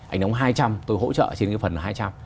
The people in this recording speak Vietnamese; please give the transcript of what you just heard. anh đóng hai trăm tôi hỗ trợ trên cái phần hai trăm